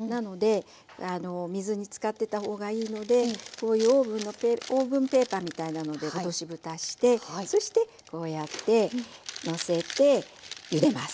なので水につかってたほうがいいのでこういうオーブンペーパーみたいなので落としぶたしてそしてこうやってのせてゆでます。